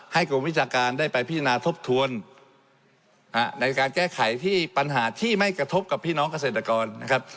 กรมวิชาการได้ไปพิจารณาทบทวนในการแก้ไขที่ปัญหาที่ไม่กระทบกับพี่น้องเกษตรกรนะครับ